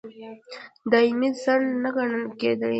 دایمي خنډ نه ګڼل کېدی.